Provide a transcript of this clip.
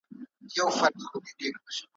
په دې وروستیو ورځو کي مي ,